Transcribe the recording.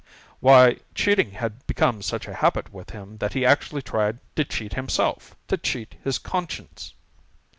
Why, cheating had become such a habit with him that he actually tried to cheat himself to cheat his conscience!